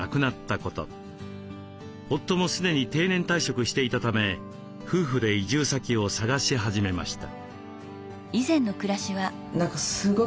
夫も既に定年退職していたため夫婦で移住先を探し始めました。